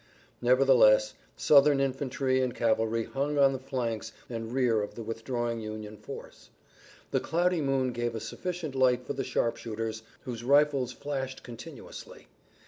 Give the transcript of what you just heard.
Nevertheless Southern infantry and cavalry hung on the flanks and rear of the withdrawing Union force. The cloudy moon gave sufficient light for the sharpshooters, whose rifles flashed continuously.